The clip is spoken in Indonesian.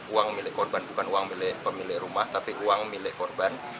uang milik korban bukan uang milik pemilik rumah tapi uang milik korban